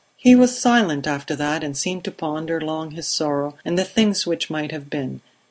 He was silent after that, and seemed to ponder long his sorrow and the things which might have been.